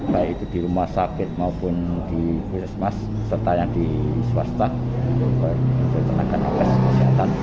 baik itu di rumah sakit maupun di puskesmas serta yang di swasta tenaga kesehatan